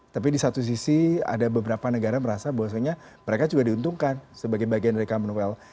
tapi di satu sisi ada beberapa negara merasa bahwa mereka juga diuntungkan sebagai bagian dari commonwealth